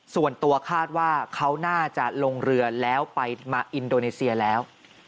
ส่วนตัวคาดว่าเขาน่าจะลงเรือแล้วไปมาอินโดนีเซียแล้ว